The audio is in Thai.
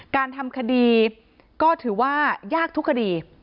การทำคดีก็ถือว่ายากทุกคดี